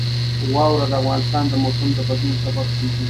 واوره د افغانستان د موسم د بدلون سبب کېږي.